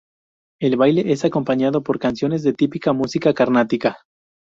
El baile es acompañado por canciones de típica música carnática.